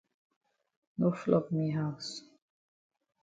No flop me haus.